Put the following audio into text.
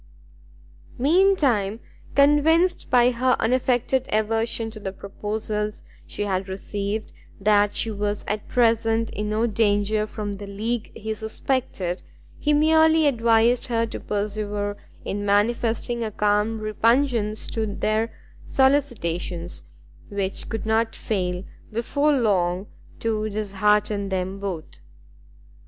Mean time, convinced by her unaffected aversion to the proposals she had received, that she was at present in no danger from the league he suspected, he merely advised her to persevere in manifesting a calm repugnance to their solicitations, which could not fail, before long, to dishearten them both.